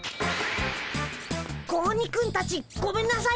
子鬼くんたちごめんなさい。